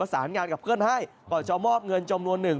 สารงานกับเพื่อนให้ก่อนจะมอบเงินจำนวนหนึ่ง